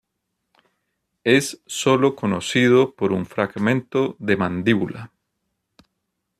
Es solo conocido por un fragmento de mandíbula.